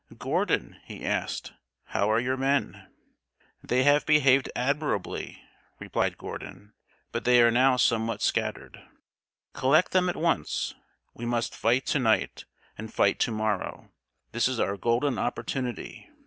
"Gordon," he asked, "how are your men?" "They have behaved admirably," replied Gordon; "but they are now somewhat scattered." "Collect them at once. We must fight to night and fight to morrow. This is our golden opportunity.